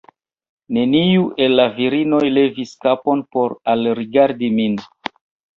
Neniu el la virinoj levis kapon por alrigardi min.